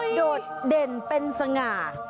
โดดเด่นเป็นสง่า